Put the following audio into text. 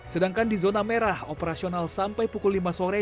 sedangkan di zona merah operasional sampai pukul lima sore